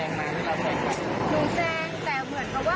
แล้วเขาแสงมาหรือเขาแสง